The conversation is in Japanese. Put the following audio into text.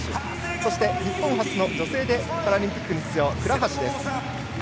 そして日本初の女性でパラリンピックに出場倉橋です。